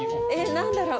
何だろう？